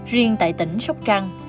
riêng tại tỉnh sóc trăng